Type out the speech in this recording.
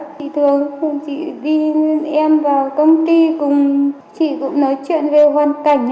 thì thường chị đi em vào công ty cùng chị cũng nói chuyện về hoàn cảnh